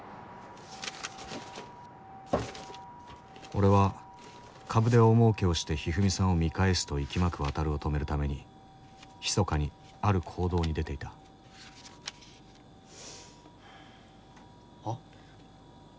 俺は株で大もうけをしてひふみさんを見返すといきまくワタルを止めるためにひそかにある行動に出ていたはっ？